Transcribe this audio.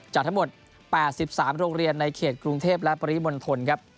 จากทั้งหมด๘๓โรงเรียนในเขตกรุงเทพและปริมณฑลครับ